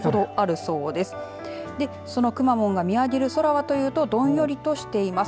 そのくまモンが見上げる空はというとどんよりとしています。